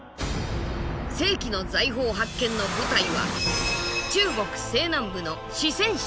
世紀の財宝発見の舞台は中国西南部の四川省。